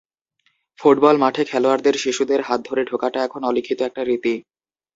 Football মাঠে খেলোয়াড়দের শিশুদের হাত ধরে ঢোকাটা এখন অলিখিত একটা রীতি।